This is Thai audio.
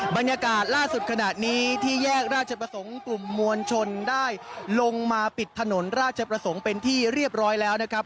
บรรยากาศล่าสุดขณะนี้ที่แยกราชประสงค์กลุ่มมวลชนได้ลงมาปิดถนนราชประสงค์เป็นที่เรียบร้อยแล้วนะครับ